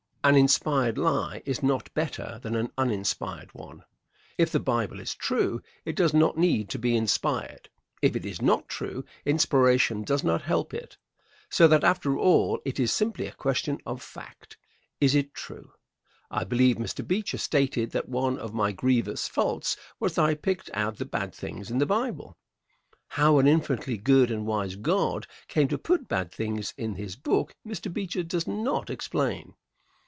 An inspired lie is not better than an uninspired one. If the Bible is true it does not need to be inspired. If it is not true, inspiration does not help it. So that after all it is simply a question of fact. Is it true? I believe Mr. Beecher stated that one of my grievous faults was that I picked out the bad things in the Bible. How an infinitely good and wise God came to put bad things in his book Mr. Beecher does not explain.